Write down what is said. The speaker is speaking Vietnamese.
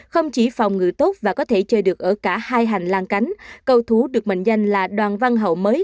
không chỉ phòng ngự tốt và có thể chơi được ở cả hai hành lang cánh cầu thú được mệnh danh là đoàn văn hậu mới